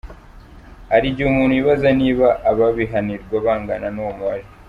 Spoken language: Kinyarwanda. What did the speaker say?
Hari igihe umuntu yibaza niba ababihanirwa bangana n’uwo mubare.